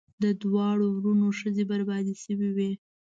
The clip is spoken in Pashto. د دواړو وروڼو ښځې بربادي شوې وې.